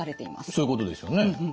そういうことですよね。